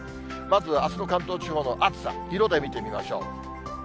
まず、あすの関東の暑さ、色で見てみましょう。